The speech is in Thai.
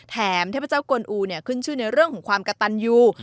เทพเจ้ากวนอูเนี่ยขึ้นชื่อในเรื่องของความกระตันยู